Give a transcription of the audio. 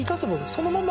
そのまんま